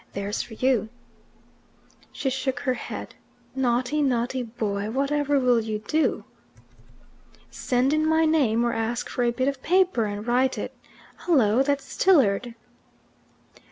There's for you!" She shook her head. "Naughty, naughty boy! Whatever will you do?" "Send in my name, or ask for a bit of paper and write it. Hullo! that's Tilliard!"